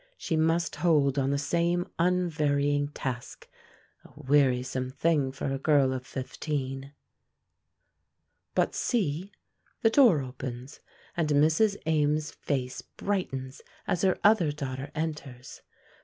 She must hold on the same unvarying task a wearisome thing for a girl of fifteen. But see! the door opens, and Mrs. Ames's face brightens as her other daughter enters.